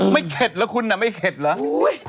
ไม่เข็ดแล้วคุณอะไม่เข็ดแล้ว